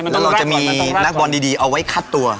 แล้วเราจะมีนักบอลดีเอาไว้คัดตัว